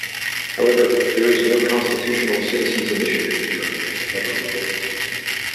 However, there is no constitutional citizens' initiative in Germany at a federal level.